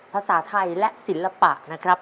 ภาษาไทยและศิลปะนะครับ